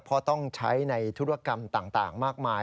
เพราะต้องใช้ในธุรกรรมต่างมากมาย